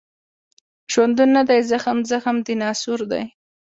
ژوندون نه دی زخم، زخم د ناسور دی